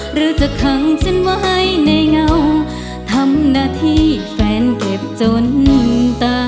หรือจะขังฉันไว้ในเงาทำหน้าที่แฟนเก็บจนตา